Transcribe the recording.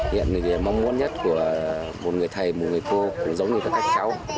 hiện mình mong muốn nhất của một người thầy một người cô cũng giống như các cháu